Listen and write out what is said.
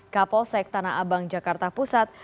kapolsek tanah abang jakarta pusat